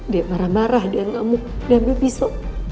dia marah marah dia ngamuk dia ambil pisau